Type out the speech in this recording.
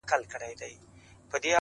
جوړ يمه گودر يم ماځيگر تر ملا تړلى يم